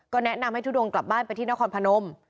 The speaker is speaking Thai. แนะนำให้ทุดงกลับบ้านไปที่นครพนม